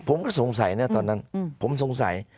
ผมก็สงสัยนะตอนนั้นผมสงสัย